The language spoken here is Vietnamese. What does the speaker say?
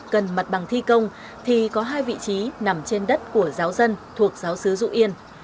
gần mặt bằng thi công thì có hai vị trí nằm trên đất của giáo dân thuộc giáo sứ dụ yên